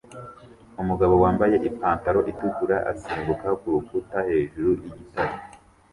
Umugabo wambaye ipantaro itukura asimbuka kurukuta hejuru yigitare